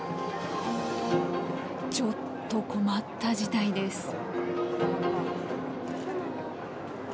ちょっと困った事態です。